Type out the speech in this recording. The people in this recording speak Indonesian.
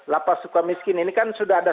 lapas sukamiskin ini kan sudah ada